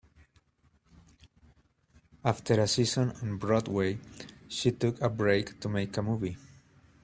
After a season on Broadway, she took a break to make a movie.